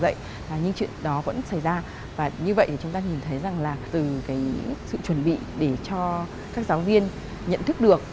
giảng dạy những chuyện đó vẫn xảy ra và như vậy thì chúng ta nhìn thấy rằng là từ cái sự chuẩn bị để cho các giáo viên nhận thức được